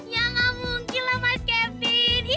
ya gak mungkin lah mas kevin